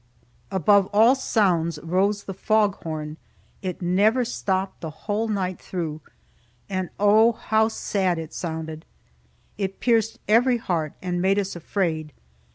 Above all sounds rose the fog horn. It never stopped the long night through. And oh, how sad it sounded! It pierced every heart, and made us afraid.